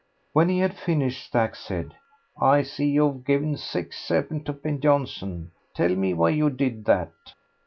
When he had finished Stack said, "I see you've given six seven to Ben Jonson. Tell me why you did that?"